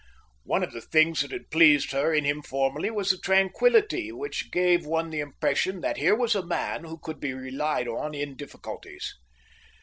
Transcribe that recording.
One of the things that had pleased her in him formerly was the tranquillity which gave one the impression that here was a man who could be relied on in difficulties.